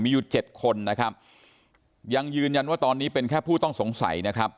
มีอยู่เจ็ดคนนะครับยังยืนยันว่าตอนนี้เป็นแค่ผู้ต้องสงสัยนะครับ